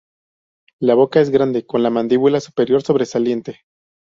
La boca es grande con la mandíbula superior sobresaliente.